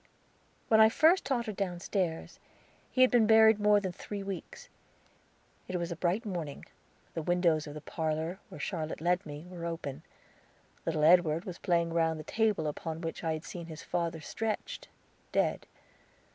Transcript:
When I first tottered downstairs, he had been buried more than three weeks. It was a bright morning; the windows of the parlor, where Charlotte led me, were open. Little Edward was playing round the table upon which I had seen his father stretched, dead.